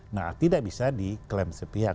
nah tidak bisa diklaim sepihak